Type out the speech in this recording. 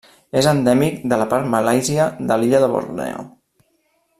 És endèmic de la part malàisia de l'illa de Borneo.